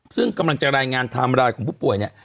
ซึ่งกำลังจะรายงานทำรายของผู้ป่วย